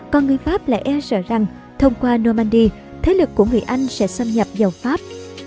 còn người pháp lại e sợ rằng thông qua normandy thế lực của người anh sẽ xâm nhập vào pháp